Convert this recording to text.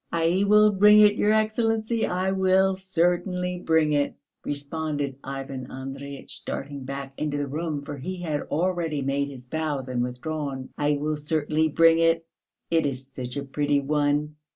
"I will bring it, your Excellency, I will certainly bring it," responded Ivan Andreyitch, darting back into the room, for he had already made his bows and withdrawn. "I will certainly bring it. It is such a pretty one.